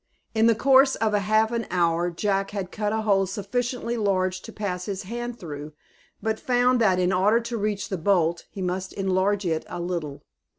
In the course of half an hour Jack had cut a hole sufficiently large to pass his hand through, but found that, in order to reach the bolt, he must enlarge it a little.